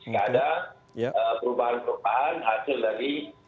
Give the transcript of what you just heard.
tidak ada perubahan perubahan hasil dari